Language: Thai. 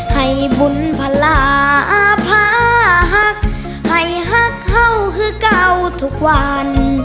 ให้บุญพลาอาภาหักให้หักเข้าคือเก่าทุกวัน